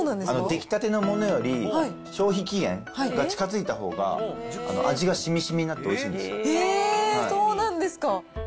出来たてのものより、消費期限が近づいたほうが、味がしみしみになっておいしいんですへー、そうなんですか。